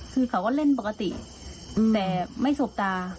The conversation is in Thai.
คือเขาก็เล่นปกติแต่ไม่สบตา